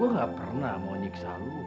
gue gak pernah mau nyiksa lu